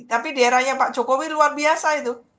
tapi daerahnya pak jokowi luar biasa itu